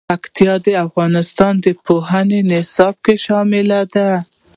پکتیکا د افغانستان د پوهنې نصاب کې شامل دي.